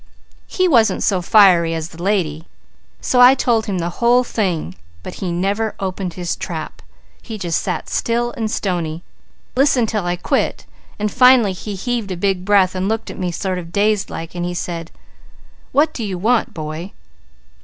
He wasn't so fiery as the lady, so I told him the whole thing, but he never opened his trap. He just sat still and stony, listened till I quit, and finally he heaved a big breath and looked at me sort of dazed like and he said: 'What do you want, boy?'